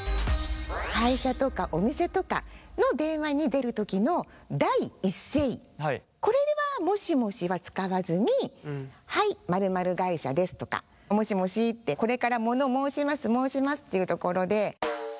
会社とかお店とかの電話に出る時の第一声これは「もしもし」は使わずに「はい○○会社です」とか「もしもし」ってこれからもの申します申しますっていうところで。